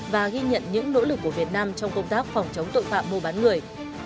và ghi nhận những nỗ lực của việt nam trong công tác phòng chống tội phạm mua bán người